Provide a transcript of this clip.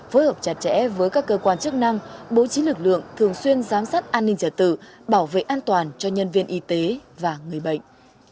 phối hợp chặt chẽ với các cơ quan chức năng bố trí lực lượng thường xuyên giám sát an ninh trả tự bảo vệ an toàn cho nhân viên y tế và người bệnh